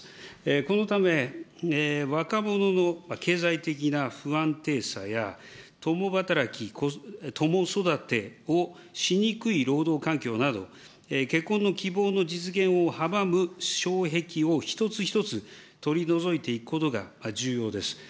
このため、若者の経済的な不安定さや、共働き、共育てをしにくい労働環境など、結婚の希望の実現を阻む障壁を一つ一つ取り除いていくことが重要です。